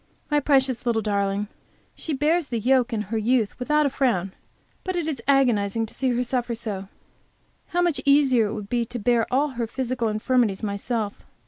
My precious little darling! She bears the yoke in her youth without a frown, but it is agonizing to see her suffer so. How much easier it would be to bear all her physical infirmities myself!